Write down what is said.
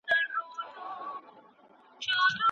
ټولني او د افغانستان د علومو د اکاډيمۍ غړي، د